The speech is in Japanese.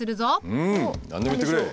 うん何でも言ってくれ。